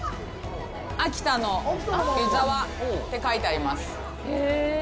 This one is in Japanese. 秋田の湯沢って書いてあります。